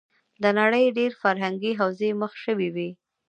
د نړۍ ډېری فرهنګې حوزې مخ شوې وې.